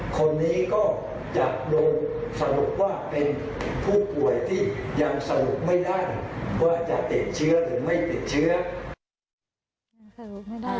คนนี้ก็จะลงสรุปว่าเป็นผู้ป่วยที่ยังสรุปไม่ได้ว่าจะติดเชื้อหรือไม่ติดเชื้อ